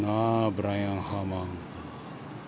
ブライアン・ハーマン。